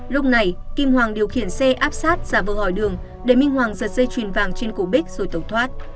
lúc này kim hoàng điều khiển xe áp sát giả vờ hỏi đường để minh hoàng giật dây chuyền vàng trên cổ bích rồi tẩu thoát